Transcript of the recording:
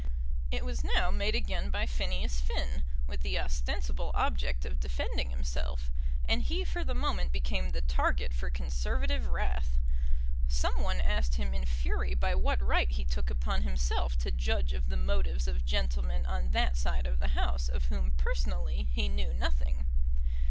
It was now made again by Phineas Finn, with the ostensible object of defending himself, and he for the moment became the target for Conservative wrath. Some one asked him in fury by what right he took upon himself to judge of the motives of gentlemen on that side of the House of whom personally he knew nothing.